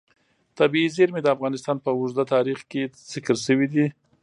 طبیعي زیرمې د افغانستان په اوږده تاریخ کې ذکر شوی دی.